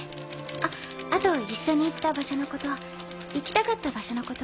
あっあと一緒に行った場所のこと行きたかった場所のこと。